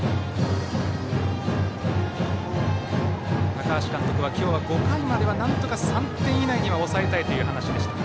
高橋監督は今日は５回まではなんとか３点以内に抑えたいという話でした。